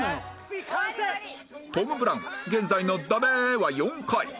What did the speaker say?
トム・ブラウン現在の「ダメー！」は４回